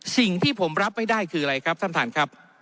สิ่งที่ผมรับไม่ได้คืออะไรครับท่านท่านครับ